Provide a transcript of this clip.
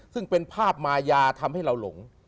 ซึ่งเป็นภาพมายาทำให้เราหลง